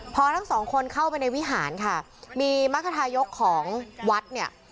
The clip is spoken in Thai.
พอทั้งสองคนเข้าไปในวิหารค่ะมีมรรคทายกของวัดเนี่ย